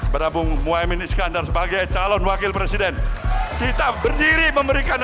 berabung muhaymin iskandar sebagai calon wakil presiden kita berdiri memberikan